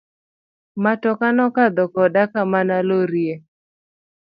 Matoka no kadho koda kama na lorie.